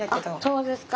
そうですか。